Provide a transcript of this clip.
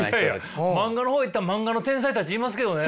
漫画の方行ったら漫画の天才たちいますけどね。